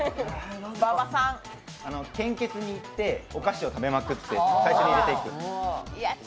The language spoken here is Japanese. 献血に行ってお菓子を食べまくって、最初に入れていく。